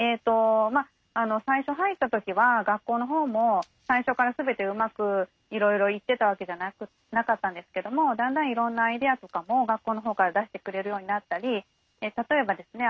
最初入った時は学校の方も最初から全てうまくいろいろいってたわけじゃなかったんですけどもだんだんいろんなアイデアとかも学校の方から出してくれるようになったり例えばですね